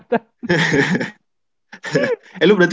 hahaha eh lu berarti